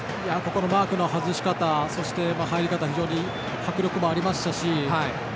マークの外し方そして入り方迫力もありましたし